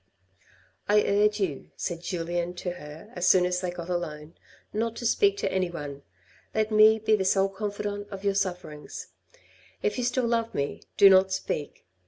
" I urge you," said Julien to her, as soon as they got alone, " not to speak to anyone. Let me be the sole confidant of your sufferings. If you still love me, do not speak.